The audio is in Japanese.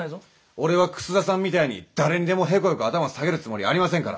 俺は楠田さんみたいに誰にでもヘコヘコ頭下げるつもりありませんから。